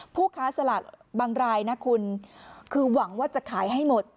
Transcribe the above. ผู้ค้าสลากบางรายนะคุณคือหวังว่าจะขายให้หมด